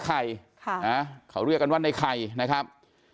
ใครเขาเรียกว่าในใครนะครับ